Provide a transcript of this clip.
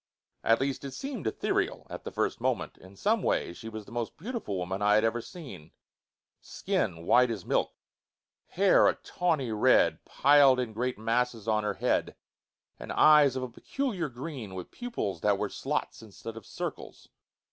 At least, it seemed ethereal at the first moment. In some ways she was the most beautiful woman that I had ever seen: skin white as milk, hair a tawny red, piled in great masses on her head, and eyes of a peculiar green, with pupils that were slots instead of circles.